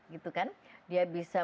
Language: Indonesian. gitu kan dia bisa